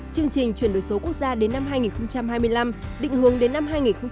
chương trình chuyển đổi số quốc gia đến năm hai nghìn hai mươi năm định hướng đến năm hai nghìn ba mươi